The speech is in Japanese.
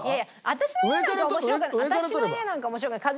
私の家なんか面白くない。